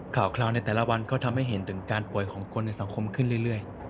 ข่าวในแต่ละวันก็ทำให้เห็นถึงการป่วยของคนในสังคมขึ้นเรื่อย